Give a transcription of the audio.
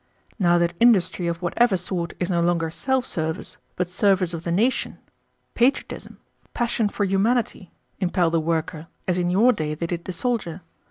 Now that industry of whatever sort is no longer self service, but service of the nation, patriotism, passion for humanity, impel the worker as in your day they did the soldier.